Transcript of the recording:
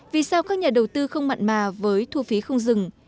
vì sao các nhà đầu tư không mặn mà với thu phí không dừng